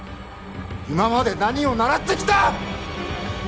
今まで何を習ってきた？